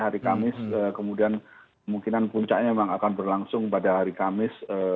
hari kamis kemudian kemungkinan puncaknya memang akan berlangsung pada hari kamis